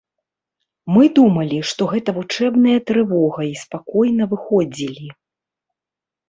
Мы думалі, што гэта вучэбная трывога і спакойна выходзілі.